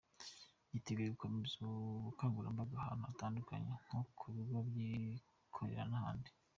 Yiteguye gukomeza ubukangurambaga ahantu hatandukanye nko mu bigo by’abikorera n’ahandi.